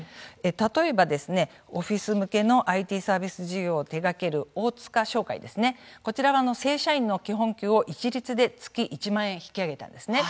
例えば、オフィス向けのＩＴサービス事業を手がける大塚商会ですね、こちらは正社員の基本給を一律で月１万円引き上げたんですね。